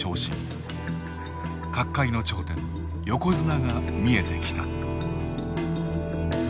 角界の頂点横綱が見えてきた。